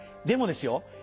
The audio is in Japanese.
でもですよ